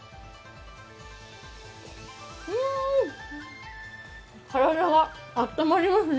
うーん、体があったまりますね。